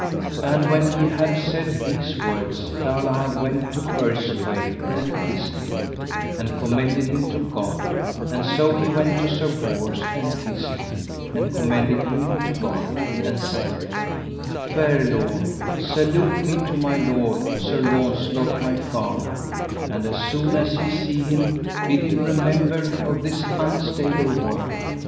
And when he had said these words Galahad went to Percivale and kissed him, and commended him to God; and so he went to Sir Bors and kissed him, and commended him to God, and said: Fair lord, salute me to my lord, Sir Launcelot, my father, and as soon as ye see him, bid him remember of this unstable world.